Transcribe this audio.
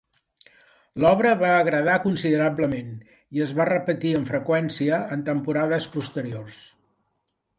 L'obra va agradar considerablement i es va repetir amb freqüència en temporades posteriors.